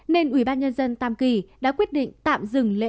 nên ubnd tam kỳ đã quyết định tạm dựng